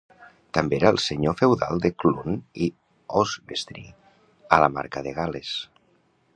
També era el senyor feudal de Clun i Oswestry, a la Marca de Gal·les.